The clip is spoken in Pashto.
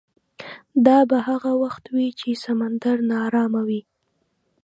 دا به هغه وخت وي چې سمندر ناارامه وي.